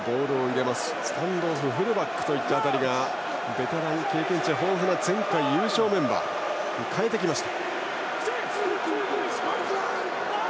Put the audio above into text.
南アフリカはスタンドオフフルバックといった辺りをベテランで経験値豊富な前回優勝メンバーに代えてきました。